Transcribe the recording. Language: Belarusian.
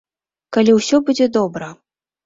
Калі ўсё будзе добра.